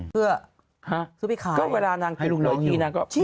เมื่อก่อนนางมีวงมีอะไรอย่างเงี้ย